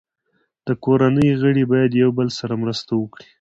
د کورنۍ غړي باید یو بل سره مرسته وکړي.